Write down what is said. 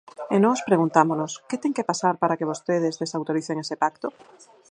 E nós preguntámonos: ¿que ten que pasar para que vostedes desautoricen ese pacto?